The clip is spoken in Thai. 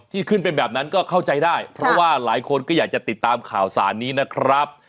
ขึ้นเป็นแบบนั้นก็เข้าใจได้เพราะว่าหลายคนก็อยากจะติดตามข่าวสารนี้นะครับ